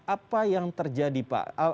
apa yang terjadi pak